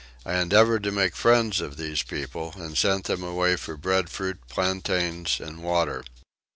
I endeavoured to make friends of these people and sent them away for breadfruit, plantains, and water.